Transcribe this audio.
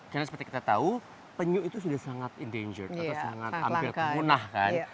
karena seperti kita tahu penyu itu sudah sangat endangered atau sangat hampir tergunah kan